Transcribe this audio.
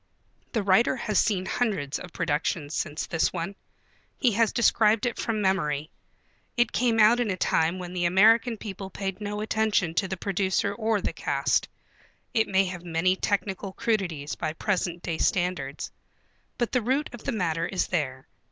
The writer has seen hundreds of productions since this one. He has described it from memory. It came out in a time when the American people paid no attention to the producer or the cast. It may have many technical crudities by present day standards. But the root of the matter is there.